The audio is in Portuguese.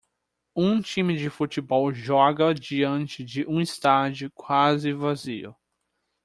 Um time de futebol joga diante de um estádio quase vazio.